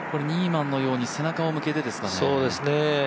ニーマンのように背中を向けてですかね。